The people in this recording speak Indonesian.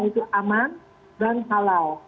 itu aman dan halal